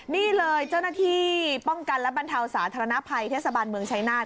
นี่เลยเจ้าหน้าที่ป้องกันและบรรเทาสาธารณภัยเทศบาลเมืองชายนาฏ